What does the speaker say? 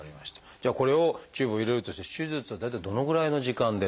じゃあこれをチューブを入れるとして手術は大体どのぐらいの時間で。